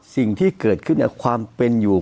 สิ่งที่เกิดขึ้นความเป็นอยู่